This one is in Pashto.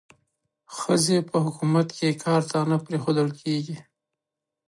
ښځې په حکومت کې کار ته نه پریښودل کېږي.